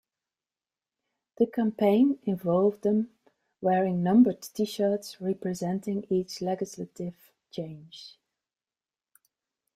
The campaign involved them wearing numbered T-shirts representing each legislative change.